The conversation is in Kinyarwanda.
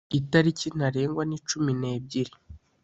itarikintarengwa nicuminebyiri.